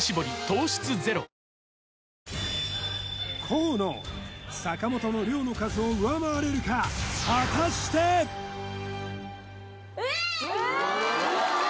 河野坂本の良の数を上回れるかえっ！